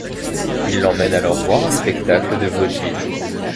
Il l'emmène alors voir un spectacle de vaudeville.